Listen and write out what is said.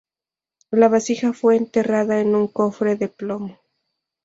La vasija fue enterrada en un cofre de plomo.